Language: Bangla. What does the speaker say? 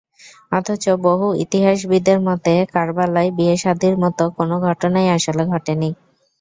অথচ বহু ইতিহাসবিদের মতে, কারবালায় বিয়ে-শাদির মতো কোনো ঘটনাই আসলে ঘটেনি।